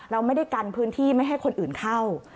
เราไม่ได้กันพื้นที่ไม่ให้คนอื่นเข้า